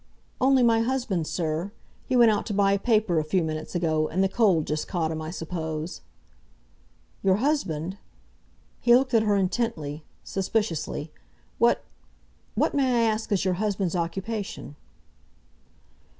"Only my husband, sir. He went out to buy a paper a few minutes ago, and the cold just caught him, I suppose." "Your husband—?" he looked at her intently, suspiciously. "What—what, may I ask, is your husband's occupation?"